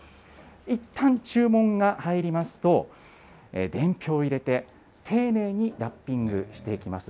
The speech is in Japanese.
いったん注文が入りますと、伝票を入れて、丁寧にラッピングしていきます。